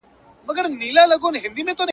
هغه بورا وي همېشه خپله سینه څیرلې!!